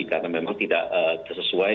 karena memang tidak sesuai